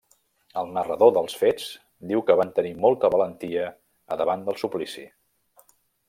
El narrador dels fets diu que van tenir molta valentia a davant del suplici.